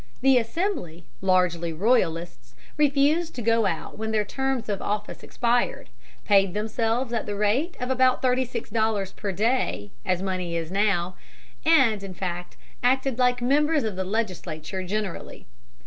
The Assembly, largely royalists, refused to go out when their terms of office expired, paid themselves at the rate of about thirty six dollars per day as money is now, and, in fact, acted like members of the Legislature generally.